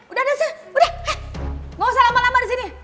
udah udah nggak usah lama lama disini